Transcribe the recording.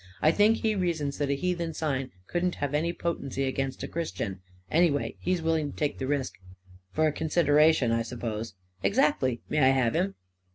I think he reasons that a heathen sigh couldn't have any potency against a Christian. Any way, he is willing to take the risk." 44 For a consideration, I suppose ?"" Exactly. May I have him?